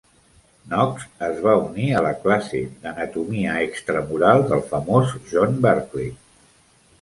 Knox es va unir a la classe d'anatomia "extramural" del famós John Barclay.